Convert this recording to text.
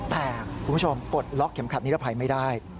แต่คุณผู้ชมปลดล็อกเข็มขัดนิรภัยไม่ได้